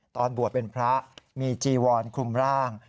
ตอนบวชเป็นพระมีจีวอนคลุมร่าง